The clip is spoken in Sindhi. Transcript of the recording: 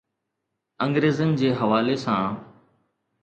انگريزن جي حوالي سان.